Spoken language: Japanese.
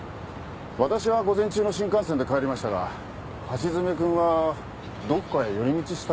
私は午前中の新幹線で帰りましたが橋爪君はどこかへ寄り道したみたいで。